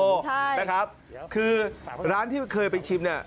ใช่นะครับคือร้านที่เคยไปชิมเนี่ย